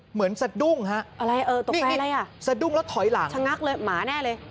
เหมือนสะดุ้งฮะนี่สะดุ้งแล้วถอยหลังฉันงักเลยหมาแน่เลย